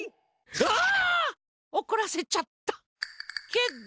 あおこらせちゃったけど？